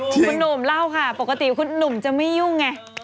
คุณหนุ่มเล่าค่ะปกติคุณหนุ่มจะไม่ยุ่งไง